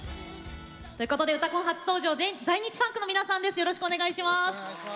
「うたコン」初登場在日ファンクの皆さんです。